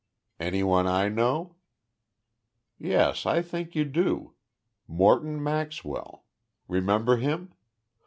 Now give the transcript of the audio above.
"Anyone I know?" "Yes, I think you do Morton Maxwell. Remember him?